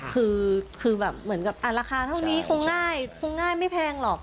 คือเหมือนกับอาจารย์ละคาเท่านี้คงง่ายไม่แพงหรอก